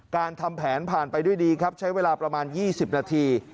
การทำแผนผ่านไปด้วยดีครับใช้เวลาประมาณ๒๐นาที